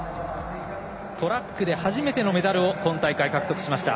トラックで初めてのメダルを今大会初めて獲得しました。